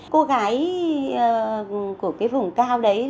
cô gái của cái vùng cao đấy